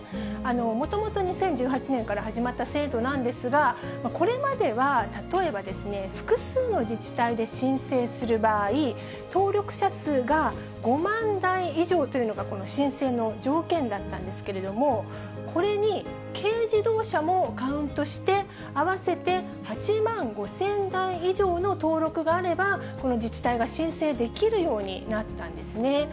もともと２０１８年から始まった制度なんですが、これまでは例えばですね、複数の自治体で申請する場合、登録車数が５万台以上というのが、この申請の条件だったんですけれども、これに軽自動車もカウントして、合わせて８万５０００台以上の登録があれば自治体が申請できるようになったんですね。